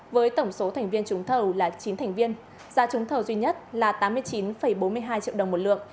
với tổng số thành viên trúng thầu là chín thành viên giá trúng thầu duy nhất là tám mươi chín bốn mươi hai triệu đồng một lượng